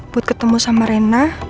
buat ketemu sama rena